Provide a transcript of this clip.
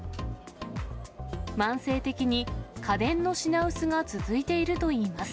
慢性的に家電の品薄が続いているといいます。